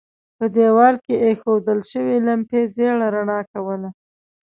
په دېوال کې اېښودل شوې لمپې ژېړه رڼا کوله.